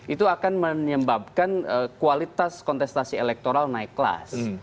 itu akan menyebabkan kualitas kontestasi elektoral naik kelas